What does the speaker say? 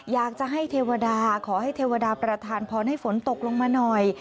อยากจะให้เทวดาขอให้เทวดาประธานพรให้ฝนตกลงมาหน่อย